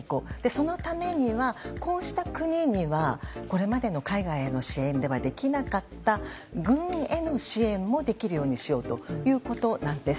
そのためにはこうした国にはこれまでの海外への支援ではできなかった軍への支援もできるようにしようということなんです。